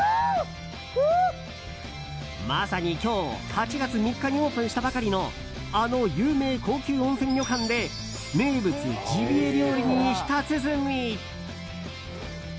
まさに今日、８月３日にオープンしたばかりのあの有名高級温泉旅館で名物ジビエ料理に舌鼓。